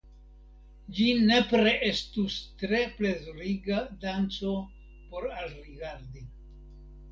Ĝi nepre estus tre plezuriga danco por alrigardi.